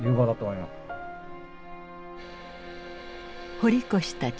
堀越たち